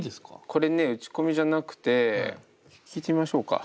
これね打ち込みじゃなくて聴いてみましょうか。